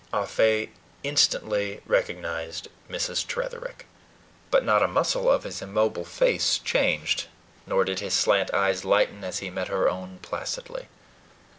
Ah Fe instantly recognized Mrs. Tretherick; but not a muscle of his immobile face changed, nor did his slant eyes lighten as he met her own placidly.